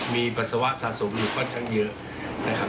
มีปัสสาวะสะสมอยู่ค่อนข้างเยอะนะครับ